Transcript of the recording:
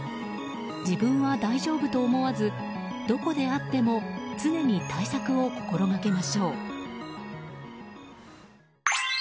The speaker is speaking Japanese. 自分は大丈夫と思わずどこであっても常に対策を心がけましょう。